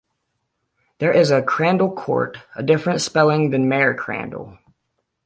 There is a Crandall Court, a different spelling than Mayor Crandell.